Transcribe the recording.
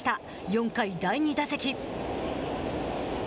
４回、第２打席。